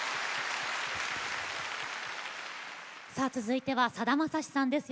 さあ続いてはさだまさしさんです。